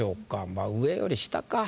まあ上より下か。